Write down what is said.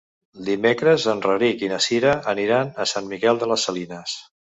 Dimecres en Rauric i na Cira aniran a Sant Miquel de les Salines.